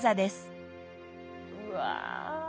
うわ。